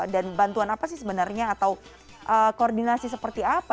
dan bantuan apa sih sebenarnya atau koordinasi seperti apa